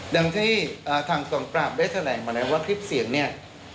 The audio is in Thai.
อย่างที่ทางกองปราบได้แถลงมาแล้วว่าคลิปเสียงเนี่ย